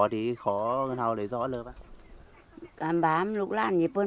thì khó gần hầu lấy rõ lớp